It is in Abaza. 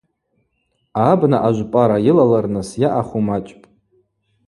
Абна ажвпӏара йылалырныс йаъаху мачӏпӏ.